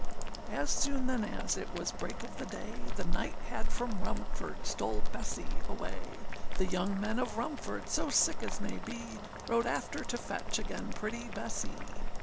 â As soon then as it was break of the day, The knight had from Rumford stole Bessee away; The young men of Rumford, so sick as may be, Rode after to fetch again pretty Bessee.